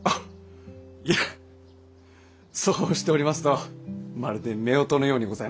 いやそうしておりますとまるで夫婦のようにございますね。